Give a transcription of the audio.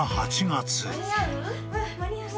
間に合う？